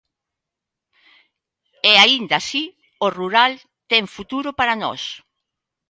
E aínda así, o rural ten futuro para nós.